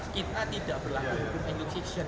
kita tidak berlahan hukum endosiksyen